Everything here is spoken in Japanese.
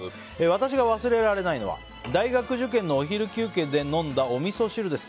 私が忘れられないのは大学受験のお昼休憩で飲んだおみそ汁です。